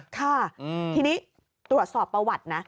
ค่ะทีนี้ตรวจสอบประวัตินะ